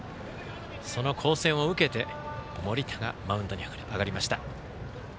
その光線を受けて盛田がマウンドに上がりました。